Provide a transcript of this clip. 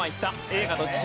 映画の父。